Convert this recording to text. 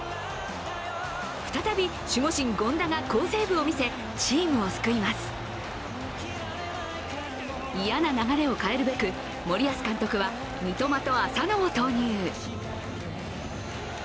再び守護神・権田が好セーブを見せ、チームを救います嫌な流れを変えるべく、森保監督は三笘と浅野を投入。